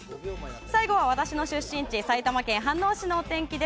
最後は私の出身地埼玉県飯能市のお天気です。